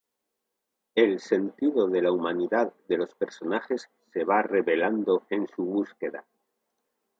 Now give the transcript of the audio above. El sentido de la humanidad de los personajes se va revelando en su búsqueda.